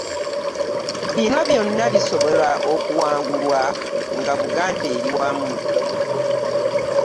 Bino byonna bisobolwa okuwangulwa nga Buganda eri wamu